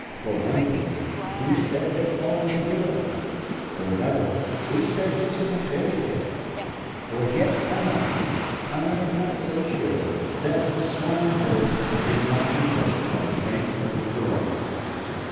For one thing, who said that Paul was a hero? For another, who said this was a fairy tale? For yet another, I am not so sure that the swineherd is not impressed by the rank of his beloved.